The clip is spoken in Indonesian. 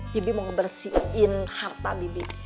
bibi mau ngebersihin harta bibit